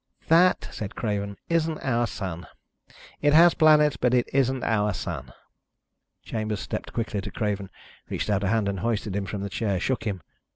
"That," said Craven, "isn't our Sun. It has planets, but it isn't our Sun." Chambers stepped quickly to Craven, reached out a hand and hoisted him from the chair, shook him.